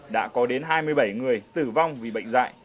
đã có đến hai mươi bảy người tử vong vì bệnh dạy